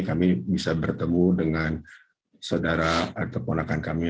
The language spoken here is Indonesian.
kami bisa bertemu dengan saudara keponakan kami